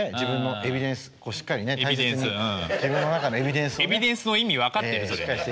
エビデンスの意味分かってる？